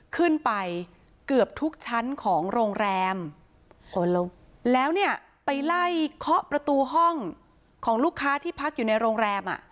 ขึ้นไปเกือบทุกชั้นของโรงแรมแล้วเนี่ยไปไล่เคาะประตูห้องของลูกค้าที่พักอยู่ในโรงแรมอ่ะ